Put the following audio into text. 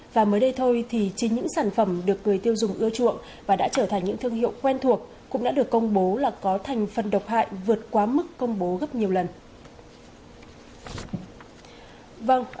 và mới đây thôi thì chính những sản phẩm được người tiêu dùng ưa chuộng và đã trở thành những thương hiệu quen thuộc cũng đã được công bố là có thành phần độc hại vượt quá mức công bố gấp nhiều lần